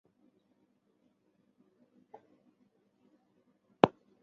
平安保险旗下的平安人寿及西京投资亦有入股金利丰金融。